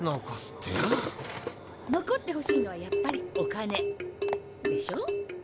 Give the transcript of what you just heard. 残ってほしいのはやっぱりお金でしょ。